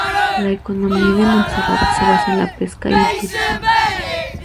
La economía de Montserrat se basa en la pesca y el turismo.